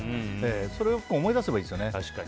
それを思い出せばいいですよね。